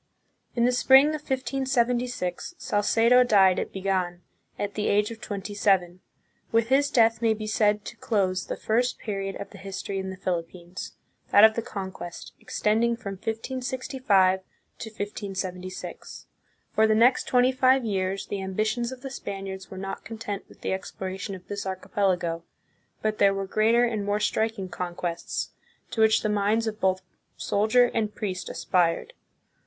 In the spring of 1576, Salcedo died at Bigan, at the age of twenty seven. With his death may be said to close the first period of the history in the Philippines, that of the Conquest, extending from 1565 to 1576. For the next twenty five years the ambitions of the Spaniards were not content with the exploration of this archipelago, but there were greater and more striking conquests, to which the minds of both soldier and priest aspired.